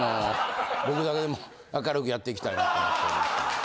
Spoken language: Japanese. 僕だけでも明るくやっていきたいなと思って。